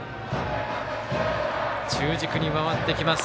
中軸に回ってきます。